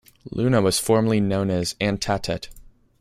Luna was formerly known as Antatet.